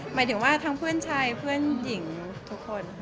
หมายถึงว่าทั้งเพื่อนชายเพื่อนหญิงทุกคน